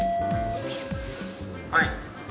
「はい」